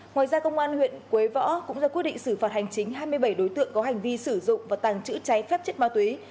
ngoài ra công an huyện quế võ cũng ra quyết định xử phạt hành chính hai mươi bảy đối tượng có hành vi sử dụng và tàng trữ cháy phép chất ma túy